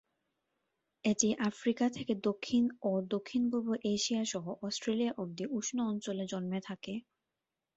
এটি আফ্রিকা থেকে দক্ষিণ ও দক্ষিণপূর্ব এশিয়া সহ অস্ট্রেলিয়া অবধি উষ্ণ অঞ্চলে জন্মে থাকে।